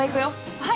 はい！